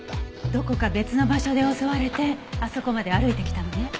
どこか別の場所で襲われてあそこまで歩いてきたのね。